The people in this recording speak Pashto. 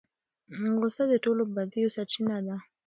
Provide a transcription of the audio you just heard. غصه د ټولو بدیو سرچینه ده.